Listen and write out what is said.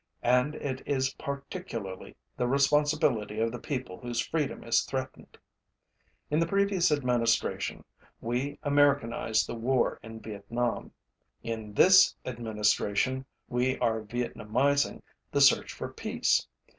And it is particularly the responsibility of the people whose freedom is threatened. In the previous Administration, we Americanized the war in Vietnam. In this Administration, we are Vietnamizing the search for peace.